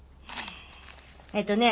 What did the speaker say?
えっとね。